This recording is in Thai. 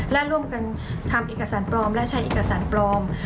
และร่วมกันทำเอกสารปลอมและใช้เอกสารปลอม